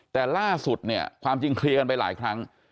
แต่ล่าสุดเนี่ยความจริงเคลียร์กันไปหลายครั้ง